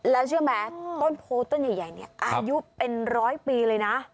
แล้วเชื่อไหมต้นโพต้นใหญ่เนี่ยอายุเป็นร้อยปีเลยนะ